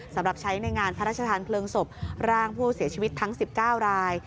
สำหรับใช้ในงานพระราชทานเพลิงศพร่างผู้เสียชีวิตทั้ง๑๙ราย